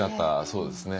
そうですね。